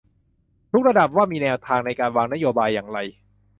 ทุกระดับว่ามีแนวทางในการวางนโยบายอย่างไร